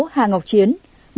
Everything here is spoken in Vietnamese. một mươi sáu hà ngọc chiến